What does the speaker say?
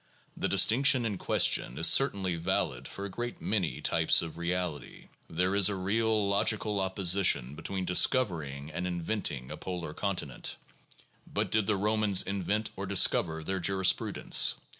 The distinction in question is certainly valid for a great many types of reality. There is a real logical opposition between discover ing and inventing a polar continent. But did the Romans invent or discover their jurisprudence?